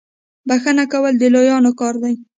بخښنه کول د لویانو کار دی.